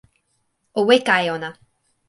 o weka e ona.